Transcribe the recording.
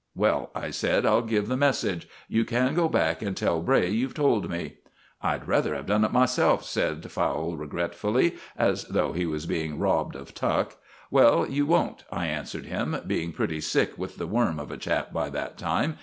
"Well," I said, "I'll give the message. You can go back and tell Bray you've told me." "I'd rather have done it myself," said Fowle, regretfully, as though he was being robbed of tuck. "Well, you won't," I answered him, being pretty sick with the worm of a chap by that time.